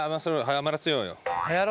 はやらせようよ。